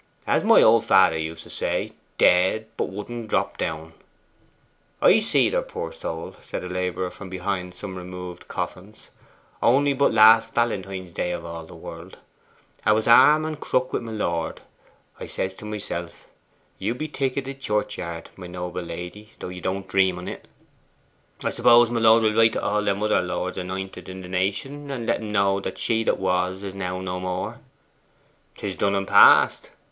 'As my old father used to say, "dead, but wouldn't drop down."' 'I seed her, poor soul,' said a labourer from behind some removed coffins, 'only but last Valentine's day of all the world. 'A was arm in crook wi' my lord. I says to myself, "You be ticketed Churchyard, my noble lady, although you don't dream on't."' 'I suppose my lord will write to all the other lords anointed in the nation, to let 'em know that she that was is now no more?' ''Tis done and past.